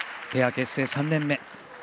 ペア結成３年目。